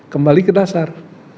kembali ke dasar